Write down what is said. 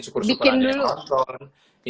syukur syukur aja yang nonton bikin dulu